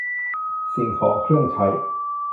สิ่งของเครื่องใช้